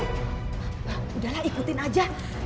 udahlah ikutin aja